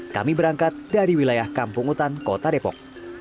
kami berangkat dari wilayah kampung hutan kota depok